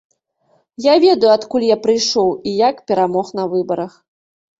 Я ведаю, адкуль я прыйшоў і як перамог на выбарах.